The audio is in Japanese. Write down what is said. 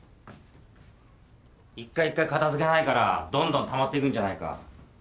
一回一回片付けないからどんどんたまっていくんじゃないか。